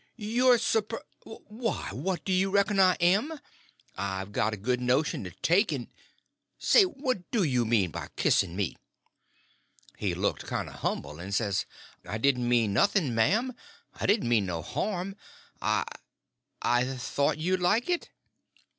"You're s'rp—Why, what do you reckon I am? I've a good notion to take and—Say, what do you mean by kissing me?" He looked kind of humble, and says: "I didn't mean nothing, m'am. I didn't mean no harm. I—I—thought you'd like it."